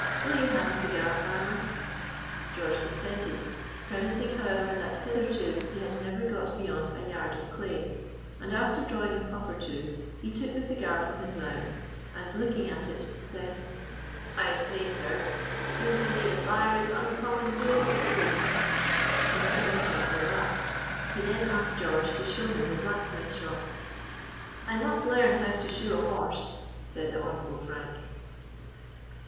Will you have a cigar, farmer?" George consented, premising, however, that hitherto he had never got beyond a yard of clay, and after drawing a puff or two he took the cigar from his mouth, and looking at it said, "I say, sir! seems to me the fire is uncommon near the chimbly." Mr. Winchester laughed; he then asked George to show him the blacksmith shop. "I must learn how to shoe a horse," said the honorable Frank.